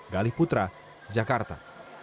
galih putra jakarta